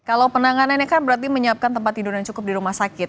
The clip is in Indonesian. kalau penanganannya kan berarti menyiapkan tempat tidur yang cukup di rumah sakit